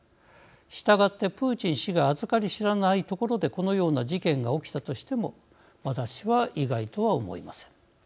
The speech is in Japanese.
したがってプーチン氏が預かり知らないところでこのような事件が起きたとしても私は意外とは思いません。